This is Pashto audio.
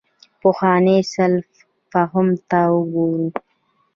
پخوانو سلف فهم ته وګورو.